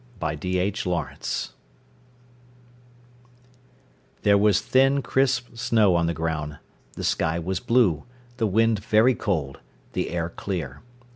By D. H. Lawrence There was thin, crisp snow on the ground, the sky was blue, the wind very cold, the air clear.